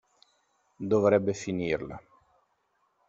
Dovrebbe finirla!